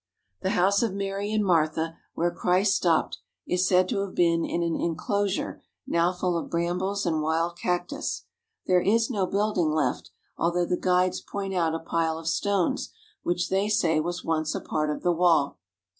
The house of Mary and Martha, where Christ stopped, is said to have been in an inclosure now full of brambles and wild cactus. There is no building left, although the guides point out a pile of stones which they say was once a part of the wall.